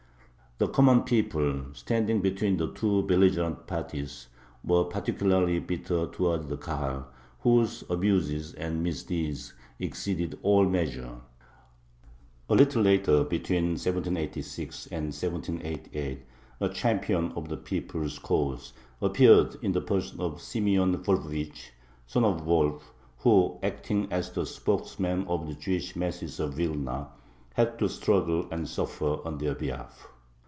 The common people, standing between the two belligerent parties, were particularly bitter towards the Kahal, whose abuses and misdeeds exceeded all measure. A little later, between 1786 and 1788, a champion of the people's cause appeared in the person of Simeon Volfovich (son of Wolf), who, acting as the spokesman of the Jewish masses of Vilna, had to struggle and suffer on their behalf.